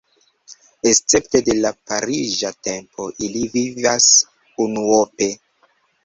Escepte de la pariĝa tempo, ili vivas unuope.